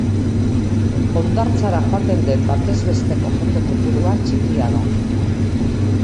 Hondartzara joaten den batez besteko jende kopurua txikia da.